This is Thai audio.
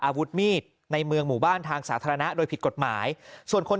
อาวุธมีดในเมืองหมู่บ้านทางสาธารณะโดยผิดกฎหมายส่วนคน